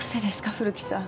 古木さん。